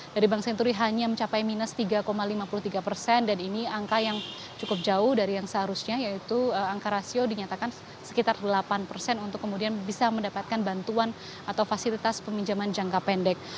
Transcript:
dari bank senturi hanya mencapai minus tiga lima puluh tiga persen dan ini angka yang cukup jauh dari yang seharusnya yaitu angka rasio dinyatakan sekitar delapan persen untuk kemudian bisa mendapatkan bantuan atau fasilitas peminjaman jangka pendek